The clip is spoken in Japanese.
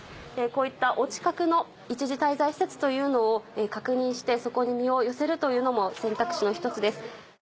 こういったお近くの一時滞在施設というのを確認してそこに身を寄せるというのも選択肢の１つです。